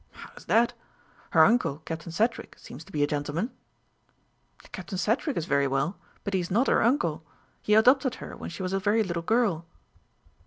"How is that? Her uncle, Captain Sedgewick, seems to be a gentleman." "Captain Sedgewick is very well, but he is not her uncle; he adopted her when she was a very little girl."